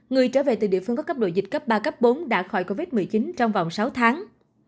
người trở về từ địa phương có cấp độ dịch cấp ba cấp bốn đã khỏi covid một mươi chín trong vòng sáu tháng